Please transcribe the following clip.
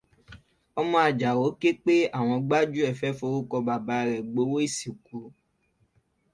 Ọmọ Àjàó ké pé àwọn gbájúẹ̀ fẹ́ forúkọ bàbá rẹ̀ gbowó ìsìnkú.